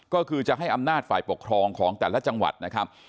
ก็คือจะให้อำนาจฝ่ายปกครองของแต่ละจังหวัดนะครับ